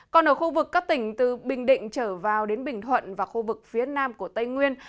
còn ở khu vực các tỉnh từ bình định trở vào đến bình thuận và khu vực phía nam của tây nguyên